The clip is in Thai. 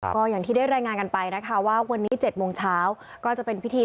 ก็อย่างที่ได้รายงานกันไปนะคะว่าวันนี้๗โมงเช้าก็จะเป็นพิธี